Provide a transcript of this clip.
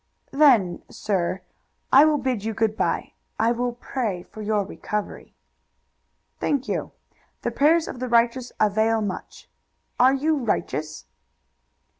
"Then, sir, I will bid you good by. I will pray for your recovery." "Thank you. The prayers of the righteous avail much. Are you righteous?"